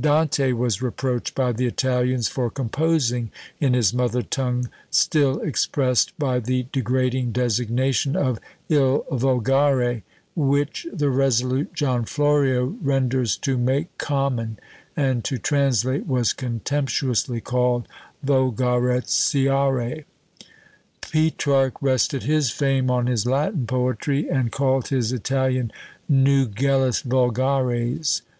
Dante was reproached by the Italians for composing in his mother tongue, still expressed by the degrading designation of il volgare, which the "resolute" John Florio renders "to make common;" and to translate was contemptuously called volgarizzare. Petrarch rested his fame on his Latin poetry, and called his Italian nugellas vulgares!